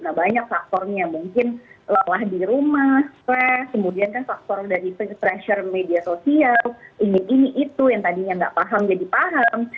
gak banyak faktornya mungkin lelah di rumah stres kemudian kan faktor dari pressure media sosial ini ini itu yang tadinya nggak paham jadi paham